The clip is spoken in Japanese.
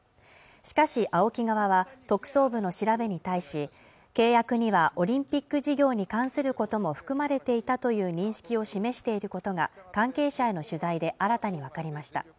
しかしＡＯＫＩ側は特捜部の調べに対し契約にはオリンピック事業に関することも含まれていたという認識を示していることが関係者への取材で新たに分かりました